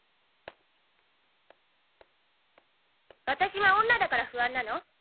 私が女だから不安なの？